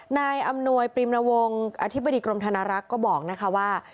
นายอำนวยปริมนวงศ์อธิบดีกรมธนรักษ์ก็บอกนะคะว่า